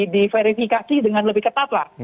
diverifikasi dengan lebih ketatlah